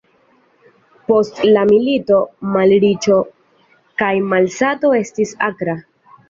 Post la milito malriĉo kaj malsato estis akra.